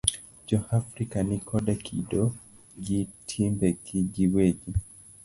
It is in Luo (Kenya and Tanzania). Jo Afrika ni koda kido gi timbegi gi wegi.